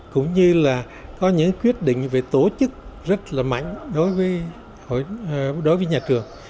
cũng như là có những quyết định về tổ chức rất là mạnh đối với nhà trường